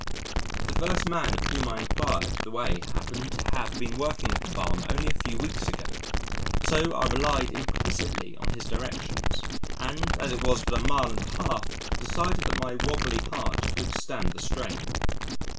The first man of whom I inquired the way happened to have been working at the Farm only a few weeks ago, so I relied implicitly on his directions, and as it was but a mile and a half decided that my wobbly heart could stand the strain.